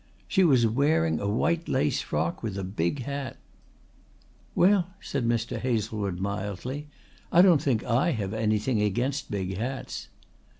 "She was wearing a white lace frock with a big hat." "Well," said Mr. Hazlewood mildly, "I don't think I have anything against big hats."